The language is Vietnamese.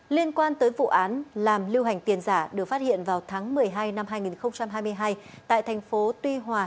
liên quan tới vụ án làm lưu hành tiền giả được phát hiện vào tháng một mươi hai năm hai nghìn hai mươi hai tại thành phố tuy hòa